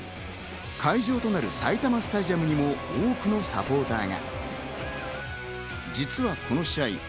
会場となる埼玉スタジアムにも多くのサポーターが。